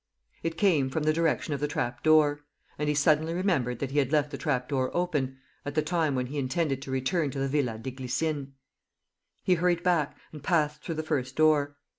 It came from the direction of the trap door. And he suddenly remembered that he had left the trap door open, at the time when he intended to return to the Villa des Glycines. He hurried back and passed through the first door.